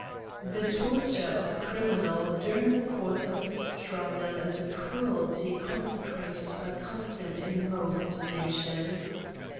THE torture of a criminal during tlie course of his trial is a cruelty consecrated by custom in most nations.